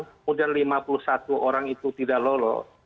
kemudian lima puluh satu orang itu tidak lolos